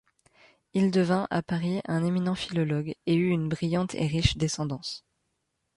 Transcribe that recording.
Il devint, à Paris, un éminent philologue, et eut une brillante et riche descendance.